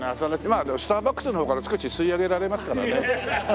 まあスターバックスの方から少し吸い上げられますからね。